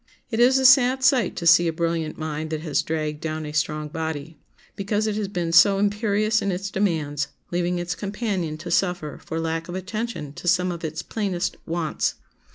It is a sad sight to see a brilliant mind that has dragged down a strong body, because it has been so imperious in its demands, leaving its companion to suffer for lack of attention to some of its plainest wants.